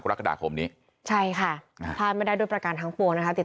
กรกฎาคมนี้ใช่ค่ะพลาดไม่ได้ด้วยประการทั้งปวงนะคะติด